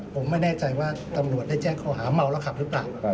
ผมไม่แน่ใจว่าตำรวจได้แจ้งข้อหาเมาแล้วขับหรือเปล่า